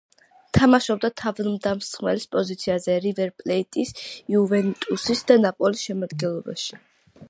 თამაშობდა თავდამსხმელის პოზიციაზე რივერ პლეიტის, იუვენტუსის და ნაპოლის შემადგენლობაში.